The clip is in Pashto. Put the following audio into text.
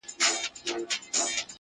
زه چـي په باندي دعوه وكړم ـ